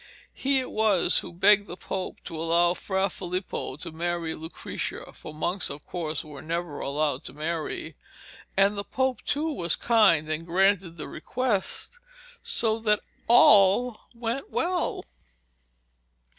He it was who begged the Pope to allow Fra Filippo to marry Lucrezia (for monks, of course, were never allowed to marry), and the Pope, too, was kind and granted the request, so that all went well.